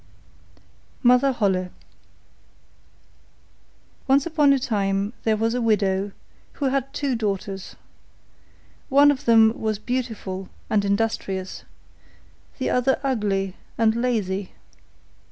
MOTHER HOLLE Once upon a time there was a widow who had two daughters; one of them was beautiful and industrious, the other ugly and lazy.